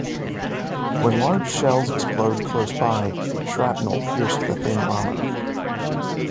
When large shells explode close-by, shrapnel pierced the thin armor.